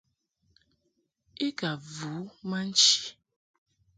I ka vu ma nchi.